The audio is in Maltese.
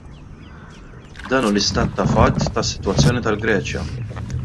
Dan hu l-istat ta' fatt tas-sitwazzjoni tal-Greċja.